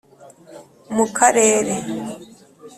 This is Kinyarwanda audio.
mu karere